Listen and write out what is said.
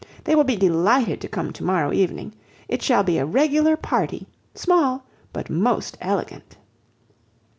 They will be delighted to come to morrow evening. It shall be a regular party, small, but most elegant."